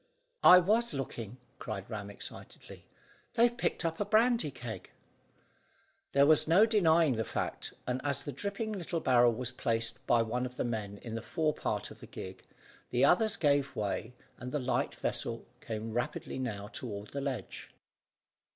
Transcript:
"I was looking," cried Ram excitedly; "they've picked up a brandy keg." There was no denying the fact; and as the dripping little barrel was placed by one of the men in the fore part of the gig, the others gave way, and the light vessel came rapidly now toward the ledge.